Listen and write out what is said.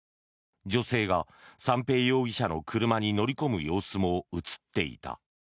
女性が三瓶容疑者の車に乗り込む様子も映っていた。